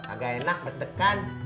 agak enak betekan